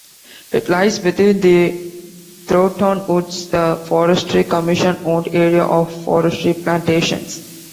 It lies within the Thrunton Woods, a Forestry Commission-owned area of forestry plantations.